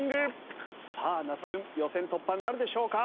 さあ那須君予選突破なるでしょうか？